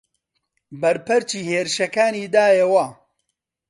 بەرپەرچی هێرشەکانی دایەوە